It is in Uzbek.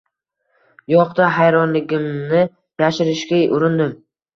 — Yoqdi. – hayronligimni yashirishga urindim.